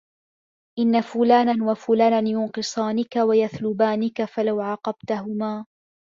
إنَّ فُلَانًا وَفُلَانًا يُنْقِصَانِك وَيَثْلُبَانِكَ فَلَوْ عَاقَبْتَهُمَا